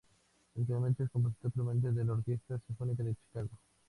Actualmente es compositor permanente de la Orquesta Sinfónica de Chicago.